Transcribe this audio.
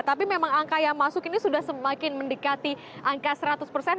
tapi memang angka yang masuk ini sudah semakin mendekati angka seratus persen